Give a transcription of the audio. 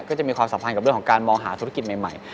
ก็จะมีความสัมพันธ์กับเรื่องของการมองหาธุรกิจใหม่